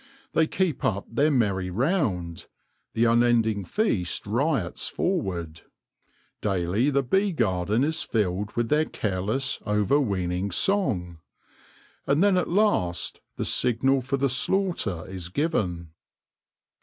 They keep up their merry round ; the unending feast riots forward ; daily the bee garden is filled with their careless, overweening song. And then at last the signal for the slaughter is given.